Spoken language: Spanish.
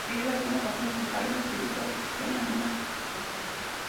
Sería la última ocasión que Haydn utilizara este esquema en una sinfonía.